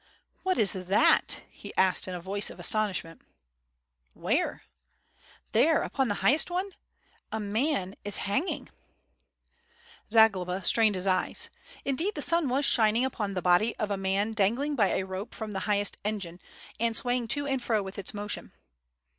"What is that?" he asked in a voice of astonishment. "Where?" "There upon the highest one .... a man is hanging.'* 49 770 WITH FIRE AND SWORD. Zagloba strained his eyes. Indeed the sun was shining upon the body of a man dangling by a rope from the highest engine, and swaying to and fro with its motion.